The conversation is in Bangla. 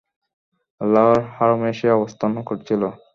আল্লাহর হারমে সে অবস্থান করছিল।